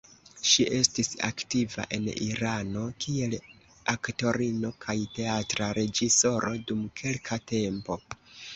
Ŝi estis aktiva en Irano kiel aktorino kaj teatra reĝisoro dum kelka tempo.